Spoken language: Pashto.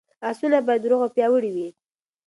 اسونه باید روغ او پیاوړي وي.